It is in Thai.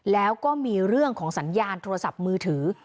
แล้วก็มีเรื่องของสัญญาณโทรศัพท์มือถือ